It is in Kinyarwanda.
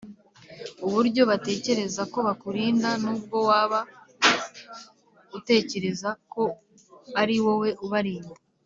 Uburyo batekereza ko bakurinda nubwo waba utekereza ko ari wowe ubarinda